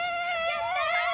やった！